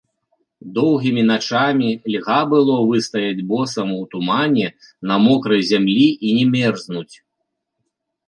Доўгімі начамі льга было выстаяць босаму ў тумане на мокрай зямлі і не мерзнуць.